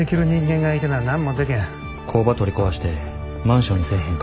工場取り壊してマンションにせえへんか？